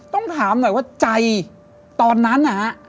ต้องถามหน่อยว่าใจตอนนั้นนะฮะ